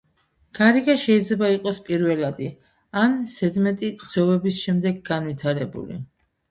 გარიგა შეიძლება იყოს პირველადი ან ზედმეტი ძოვების შემდეგ განვითარებული.